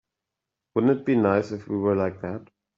Wouldn't it be nice if we were like that?